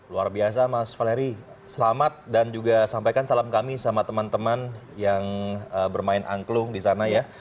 luar biasa mas valeri selamat dan juga sampaikan salam kami sama teman teman yang bermain angklung di sana ya